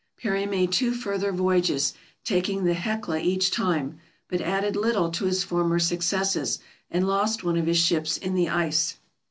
Parry made two further voyages, taking the "Hecla" each time, but added little to his former successes, and lost one of his ships in the ice.